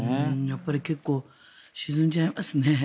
やっぱり結構沈んじゃいますね。